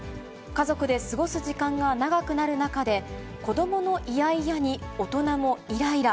家族で過ごす時間が長くなる中で、子どものいやいやに大人もいらいら。